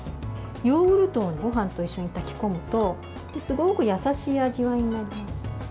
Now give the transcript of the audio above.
ヨーグルトをごはんと一緒に炊き込むとすごく優しい味わいになります。